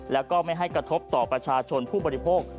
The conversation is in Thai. แล้วก็ไม่ให้กระทบต่อประชาชนผู้บริโภค